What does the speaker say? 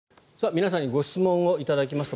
皆さんにご質問を頂きました。